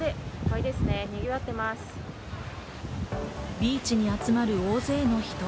ビーチで集まる大勢の人。